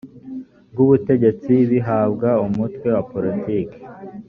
rw ubutegetsi bihabwa umutwe wa politiki